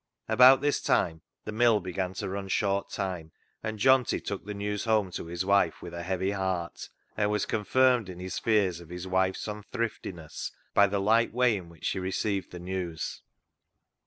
About this time the mill began to run short time, and Johnty took the news home to his wife with a heavy heart, and was confirmed in his fears of his wife's unthriftiness by the light way in which she received the news.